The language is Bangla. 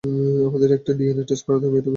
আমাদের একটা ডিএনএ টেস্ট করাতে হবে, এটুকুই শুধু।